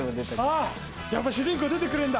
やっぱり主人公出て来るんだ！